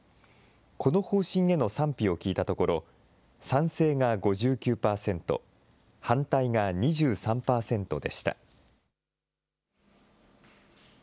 この方針への賛否を聞いたところ、賛成が５９％、反対が２３％でした。